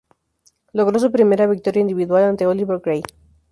Logro su primera victoria individual ante Oliver Grey.